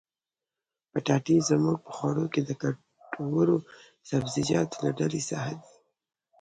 پټاټې زموږ په خوړو کښي د ګټورو سبزيجاتو له ډلي څخه دي.